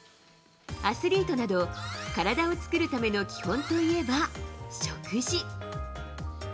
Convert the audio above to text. アスリートなど、カラダを作るための基本といえば食事。